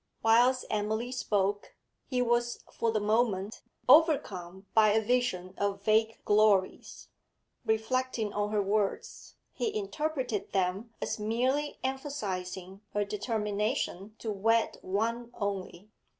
Whilst Emily spoke, he was for the moment overcome by a vision of vague glories; reflecting on her words, he interpreted them as merely emphasising her determination to wed one only.